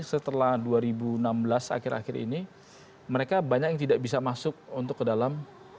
setelah dua ribu enam belas akhir akhir ini mereka banyak yang tidak bisa masuk untuk ke dalam